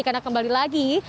karena kembali lagi